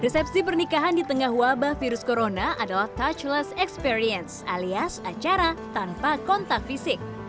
resepsi pernikahan di tengah wabah virus corona adalah touchless experience alias acara tanpa kontak fisik